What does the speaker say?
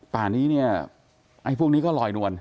ป่านี้เนี่ยไอ้พวกนี้ก็ลอยนวล